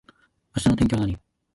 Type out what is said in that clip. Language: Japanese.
明日の天気は何